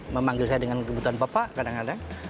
memanggil saya dengan kebutuhan bapak kadang kadang